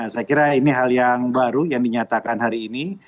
saya kira ini hal yang baru yang dinyatakan hari ini